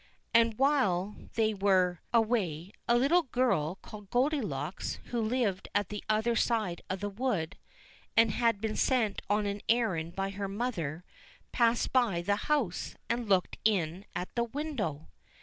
And while they were 19 20 ENGLISH FAIRY TALES away a little girl called Goldilocks, who lived at the other side of the wood and had been sent on an errand by her mother, passed by the house, and looked in at the window.